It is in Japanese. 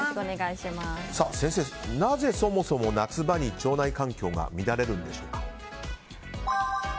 先生、なぜそもそも夏場に腸内環境が乱れるんでしょうか。